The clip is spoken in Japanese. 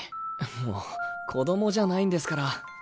もう子供じゃないんですから。